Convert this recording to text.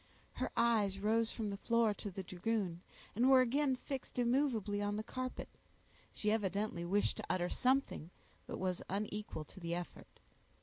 Her eyes rose from the floor to the dragoon, and were again fixed immovably on the carpet—she evidently wished to utter something but was unequal to the effort.